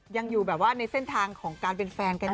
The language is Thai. ยังอยู่แบบว่าในเส้นทางของการเป็นแฟนกันอยู่